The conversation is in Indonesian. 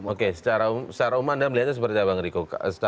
oke secara umum anda melihatnya seperti apa bang riko